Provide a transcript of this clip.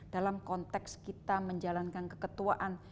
dalam konteks kita menjalankan keketuaan